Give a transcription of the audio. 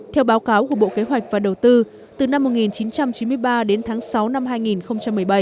theo báo cáo của bộ kế hoạch và đầu tư từ năm một nghìn chín trăm chín mươi ba đến tháng sáu năm hai nghìn một mươi bảy